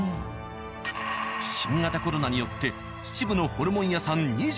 新型コロナによって秩父のホルモン屋さん